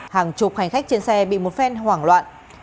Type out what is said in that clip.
hàng chục hành khách trên xe bị một phen hoảng loạn